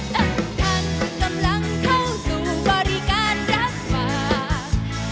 ทั้งท่านกำลังเข้าสู่บริการรับฝาก